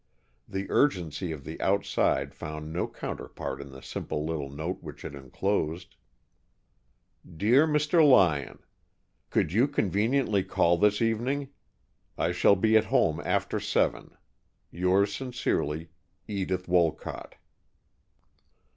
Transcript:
The urgency of the outside found no counterpart in the simple little note which it enclosed: "Dear Mr. Lyon: "Could you conveniently call this evening? I shall be at home after seven. Yours sincerely, "Edith Wolcott."